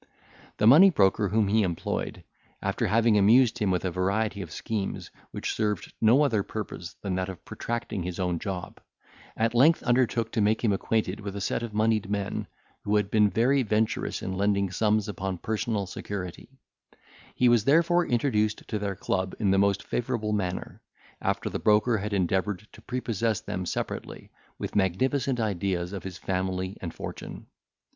The money broker whom he employed, after having amused him with a variety of schemes, which served no other purpose than that of protracting his own job, at length undertook to make him acquainted with a set of monied men who had been very venturous in lending sums upon personal security; he was therefore introduced to their club in the most favourable manner, after the broker had endeavoured to prepossess them separately, with magnificent ideas of his family and fortune.